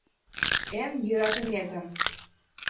— Эн йӧратыметым.